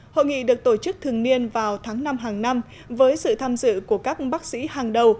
hội nghị được tổ chức thường niên vào tháng năm hàng năm với sự tham dự của các bác sĩ hàng đầu